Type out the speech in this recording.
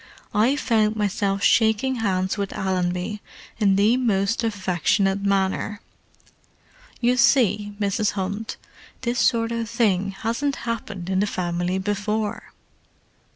"I found myself shaking hands with Allenby in the most affectionate manner. You see, Mrs. Hunt, this sort of thing hasn't happened in the family before."